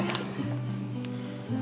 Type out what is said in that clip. tanpa ada bunganya